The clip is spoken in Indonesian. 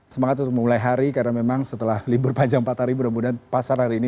semangat untuk memulai hari karena memang setelah libur panjang empat hari mudah mudahan pasar hari ini